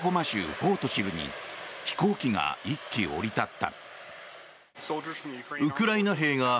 フォート・シルに飛行機が１機、降り立った。